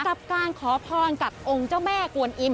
กับการขอพรกับองค์เจ้าแม่กวนอิม